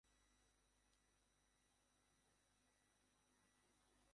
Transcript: তার শৈশব কাটে ব্রাসেলসে।